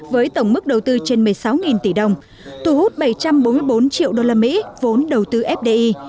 với tổng mức đầu tư trên một mươi sáu tỷ đồng thu hút bảy trăm bốn mươi bốn triệu usd vốn đầu tư fdi